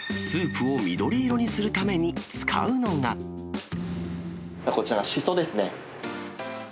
スープを緑色にするために使こちら、しそですね。